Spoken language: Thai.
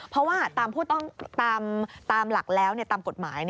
เพราะว่าตามหลักแล้วตามกฎหมาย